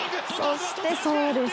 そして、そうです